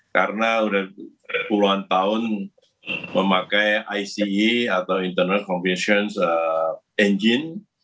karena udah puluhan tahun memakai ici atau internal convection engine